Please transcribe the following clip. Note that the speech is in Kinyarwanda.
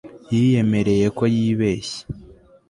yiyemereye ko yibeshye